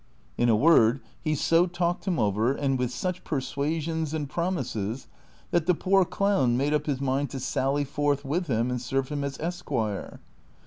In a word, he so talked him over, and with such })er. suasions and promises, that the poor clown made up his mind to sally forth with him and serve him as esquire.